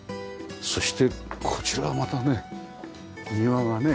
そしてこちらはまたね庭がね。